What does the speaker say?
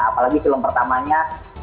apalagi film pertamanya